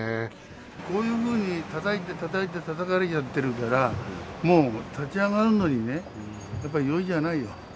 こういうふうにたたいてたたいて、たたかれちゃってるから、もう、立ち上がるのにね、やっぱり容易じゃないよ。